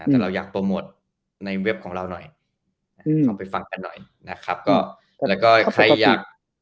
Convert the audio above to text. แต่เราอยากโปรโมทในเว็บของเราหน่อยลองไปฟังกันหน่อยนะครับก็แล้วก็ใครอยาก